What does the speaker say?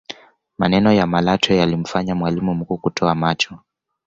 maneno ya malatwe yalimfanya mwalimu mkuu kutoa macho